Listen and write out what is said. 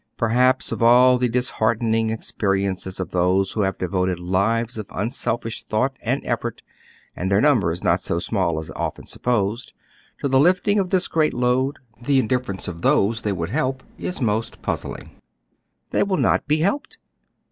Perhaps of all the disheartening experiences of those who have devoted lives of unselfish thought and effort, and their number is not so small as often supposed, to the lifting of this great load, the indifference of those they oy Google THE COMMON HERD. 175 would help IS the most pnzzliug. They will not be helped.